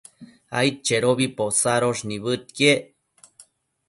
aidchedobi posadosh nibëdquiec